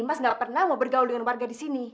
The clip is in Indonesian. mas gak pernah mau bergaul dengan warga disini